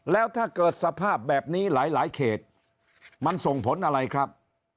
แล้วถ้าเกิดสภาพแบบนี้หลายเขตมันส่งผลอะไรครับ